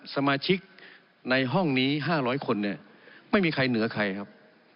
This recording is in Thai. สมาชิกในห้องนี้๕๐๐คนเนี่ยไม่มีใครเหนือใครครับ